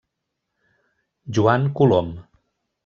Joan Colom.